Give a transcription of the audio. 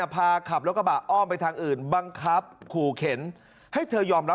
พวกกลุ่มตัวอยู่บนรถเนี่ย